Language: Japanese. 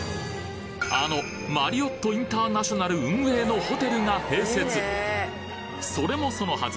あのマリオット・インターナショナル運営のホテルが併設それもそのはず